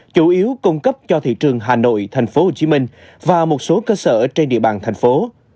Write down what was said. chủ yếu cung cấp cho thị trường hà nội tp hcm và một số cơ sở trên địa bàn thành phố